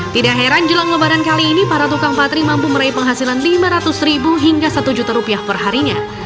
tidak heran jelang lebaran kali ini para tukang patri mampu meraih penghasilan rp lima ratus hingga rp satu perharinya